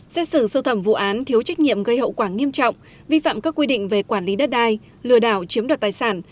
xét xử sâu thẩm vụ án thiếu trách nhiệm gây hậu quả nghiêm trọng vi phạm các quy định về quản lý đất đai lừa đảo chiếm đoạt tài sản